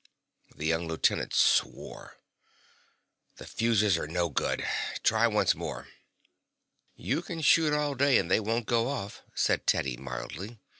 The young lieutenant swore. "The fuses are no good. Try once more." "You can shoot all day and they won't go off," said Teddy mildly.